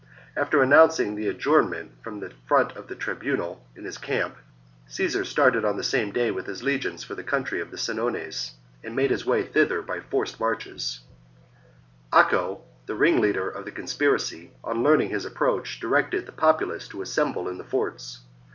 After announcing the adjournment from the front of the tribunal in his camp, Caesar started on the same day with his legions for the country of the Senones, and made his way thither by forced marches. The Senones 4. Acco, the ringleader of the conspiracy, on submit."''^'' learning his approach, directed the populace to assemble in the forts.